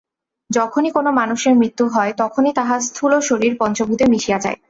যখনই কোন মানুষের মৃত্যু হয়, তখনই তাহার স্থূলশরীর পঞ্চভূতে মিশিয়া যায়।